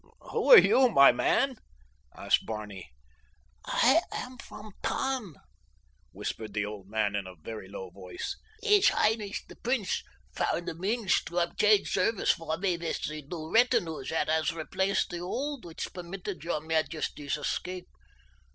"Who are you, my man?" asked Barney. "I am from Tann," whispered the old man, in a very low voice. "His highness, the prince, found the means to obtain service for me with the new retinue that has replaced the old which permitted your majesty's escape.